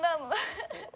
ハハハ。